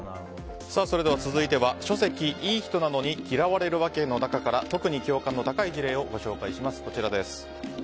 続いては書籍「いい人なのに嫌われるわけ」の中から特に共感の高い事例をご紹介します。